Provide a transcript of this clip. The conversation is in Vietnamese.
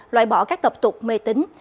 loại bỏ các tập tục mê tính